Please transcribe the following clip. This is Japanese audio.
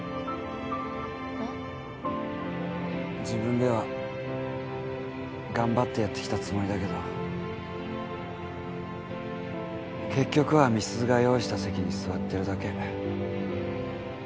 自分では頑張ってやってきたつもりだけど結局は美鈴が用意した席に座ってるだけ。